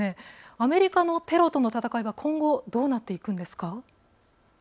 アメリカのテロとの戦いは今後、どうなっていくんですか？